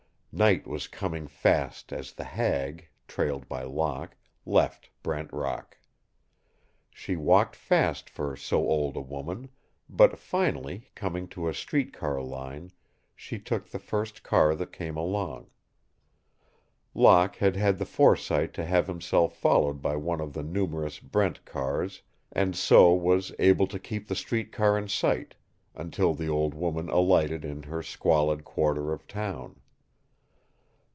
Night was coming fast as the hag, trailed by Locke, left Brent Rock. She walked fast for so old a woman, but, finally, coming to a street car line, she took the first car that came along. Locke had had the foresight to have himself followed by one of the numerous Brent cars and so was able to keep the street car in sight until the old woman alighted in her squalid quarter of town.